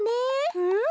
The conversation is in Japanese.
うん。